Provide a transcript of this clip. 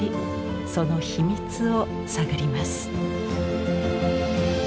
その秘密を探ります。